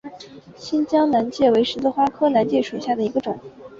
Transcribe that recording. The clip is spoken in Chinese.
新疆南芥为十字花科南芥属下的一个种。